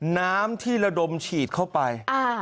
น้ำที่ระดมฉีดเข้าไป